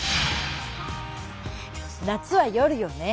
夏は夜よね。